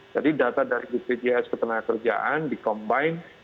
jadi data dari bpjs ketenagakerjaan dikombinasi